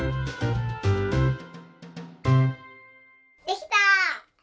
できた！